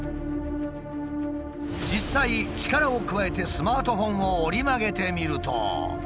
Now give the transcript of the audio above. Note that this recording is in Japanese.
実際力を加えてスマートフォンを折り曲げてみると。